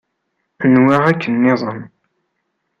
Nwiɣ akken nniḍen.